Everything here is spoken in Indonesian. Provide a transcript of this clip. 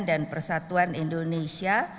dan persatuan indonesia